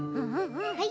はい！